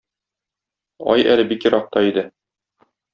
Ай әле бик еракта иде